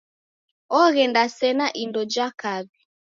Oghenda sena indo ja kawi.